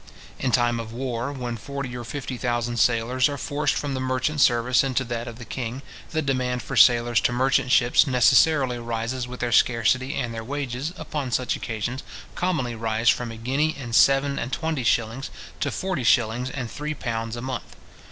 In time of war, when forty or fifty thousand sailors are forced from the merchant service into that of the king, the demand for sailors to merchant ships necessarily rises with their scarcity; and their wages, upon such occasions, commonly rise from a guinea and seven and twenty shillings to forty shillings and three pounds a month.